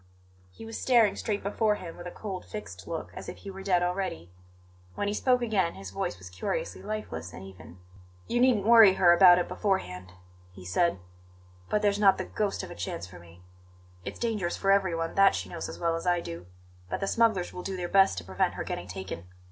He was staring straight before him with a cold, fixed look, as if he were dead already. When he spoke again his voice was curiously lifeless and even. "You needn't worry her about it beforehand," he said; "but there's not the ghost of a chance for me. It's dangerous for everyone; that she knows as well as I do; but the smugglers will do their best to prevent her getting taken.